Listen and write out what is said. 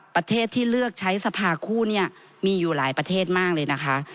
ประเทศที่เลือกใช้สภาคู่เนี่ยมีอยู่หลายประเทศมากเลยนะคะ